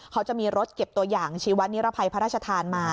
เขาจะมีรถเก็บตัวอย่างชีวนิรภัยพระราชทานมา